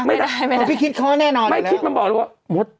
ไม่ได้ไม่ได้พี่คิดเขาแน่นอนไม่คิดมันบอกเลยว่ามด